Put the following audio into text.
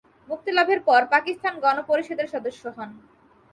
মুক্তিলাভের পর পাকিস্তান গণপরিষদের সদস্য হন।